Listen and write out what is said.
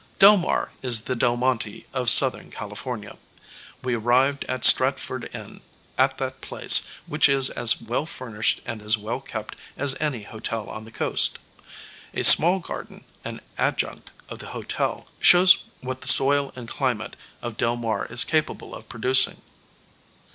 Del Mar is the Del Monte of Southern California. We arrived at Stratford Inn, at that place, which is as well furnished and as well kept as any hotel on the Coast. A small garden, an adjunct of the hotel, shows what the soil and climate of Del Mar is capable of producing.